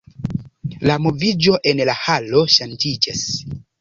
La moviĝo en la halo ŝanĝiĝis.